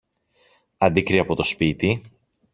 Αντίκρυ από το σπίτι